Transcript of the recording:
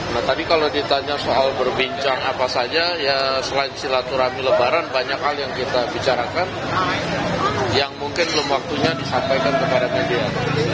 nah tadi kalau ditanya soal berbincang apa saja ya selain silaturahmi lebaran banyak hal yang kita bicarakan yang mungkin belum waktunya disampaikan kepada media